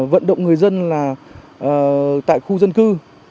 vận động người dân tại khu dân cư